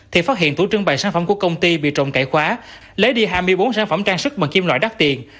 thì phát hiện tủ trưng bày sản phẩm của công ty bị trộm cải khóa lấy đi hai mươi bốn sản phẩm trang sức bằng kim loại đắt tiền